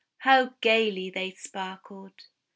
How gaily they sparkled!